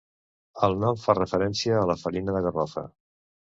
El nom fa referència a la farina de garrofa.